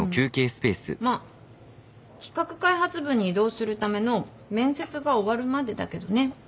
まあ企画開発部に異動するための面接が終わるまでだけどね。